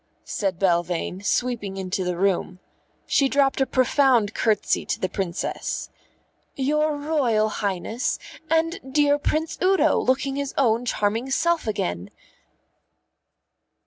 said Belvane, sweeping into the room. She dropped a profound curtsey to the Princess. "Your Royal Highness! And dear Prince Udo, looking his own charming self again!"